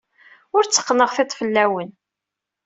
Ur tteqqneɣ tiṭ fell-awen.